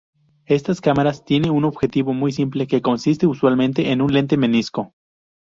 Estas cámaras tiene un objetivo muy simple que consiste usualmente en un lente menisco.